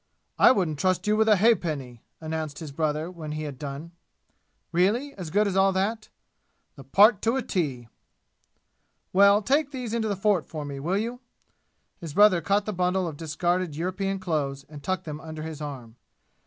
"I wouldn't trust you with a ha'penny!" announced his brother when he had done. "Really? As good as all that?" "The part to a T." "Well take these into the fort for me, will you?" His brother caught the bundle of discarded European clothes and tucked them under his arm.